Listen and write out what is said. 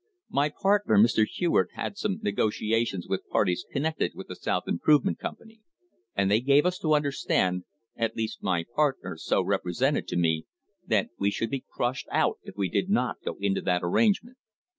My partner, Mr. Hewitt, had some negotiations with parties connected with the South Improvement Company, and they gave us to understand, at least my partner so represented to me, that we should be crushed out if we did not go into that arrangement.